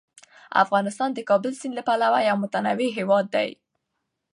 افغانستان د کابل سیند له پلوه یو متنوع هیواد دی.